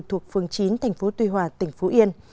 thuộc phường chín tp tuy hòa tỉnh phú yên